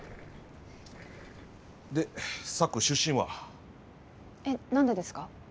でサク出身は？えっ？何でですか？